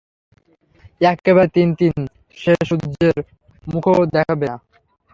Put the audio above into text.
একেবারে তিন দিন সে সূর্যের মুখও দেখবে না।